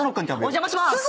お邪魔します。